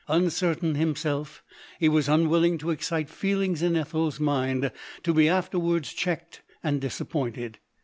Uncertain himself, he was unwilling to excite feelings in EtheFs mind, to be afterwards cheeked and disap pointed.